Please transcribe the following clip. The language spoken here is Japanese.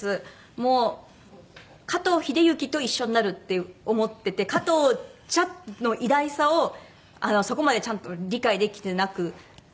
もう加藤英文と一緒になるって思ってて加藤茶の偉大さをそこまでちゃんと理解できてなく。